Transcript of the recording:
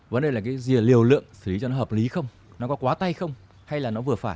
vấn đề là cái rìa liều lượng xử lý cho nó hợp lý không nó có quá tay không hay là nó vừa phải